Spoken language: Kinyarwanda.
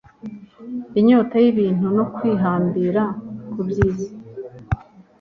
inyota y'ibintu no kwihambira ku by'isi